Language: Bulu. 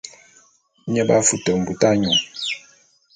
Nye b'afute mbut anyu.